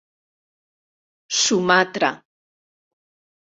Sumatra.